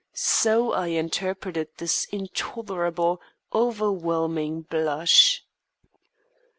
So I interpreted this intolerable, overwhelming blush.